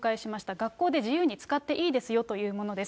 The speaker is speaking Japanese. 学校で自由に使っていいですよというものです。